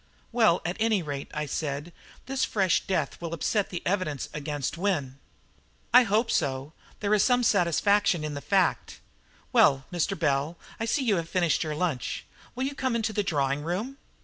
"Well, at any rate," I said, "this fresh death will upset the evidence against Wynne." "I hope so, and there is some satisfaction in the fact. Well, Mr. Bell, I see you have finished lunch; will you come into the drawing room?"